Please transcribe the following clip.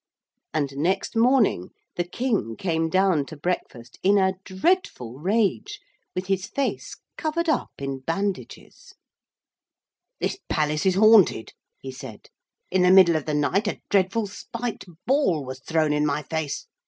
And next morning the King came down to breakfast in a dreadful rage with his face covered up in bandages. 'This palace is haunted,' he said. 'In the middle of the night a dreadful spiked ball was thrown in my face.